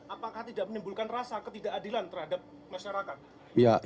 apakah tidak menimbulkan rasa ketidakadilan terhadap masyarakat